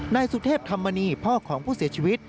นายสุเทพธรรมนีพ่อของผู้เสียชีวิต